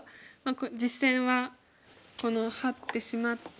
実戦はこのハッてしまって。